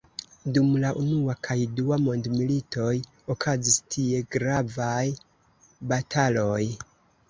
Dum la unua kaj dua mondmilitoj, okazis tie gravaj bataloj.